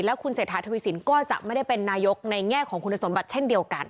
คุณเศรษฐาทวีสินก็จะไม่ได้เป็นนายกในแง่ของคุณสมบัติเช่นเดียวกัน